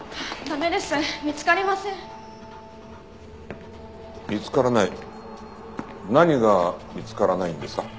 何が見つからないんですか？